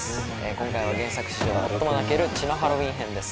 今回は原作史上最も泣ける「血のハロウィン編」です。